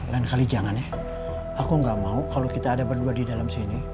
lain kali jangan ya aku gak mau kalau kita ada berdua di dalam sini